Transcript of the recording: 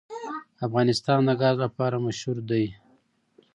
افغانستان د ګاز لپاره مشهور دی.